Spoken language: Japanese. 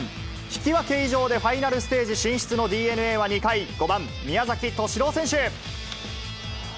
引き分け以上でファイナルステージ進出のＤｅＮＡは２回、５番宮崎敏郎選手。